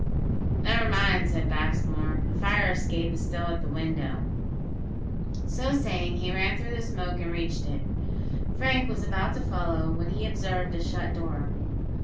"Never mind," said Baxmore, "the fire escape is still at the window." So saying, he ran through the smoke and reached it. Frank was about to follow, when he observed a shut door.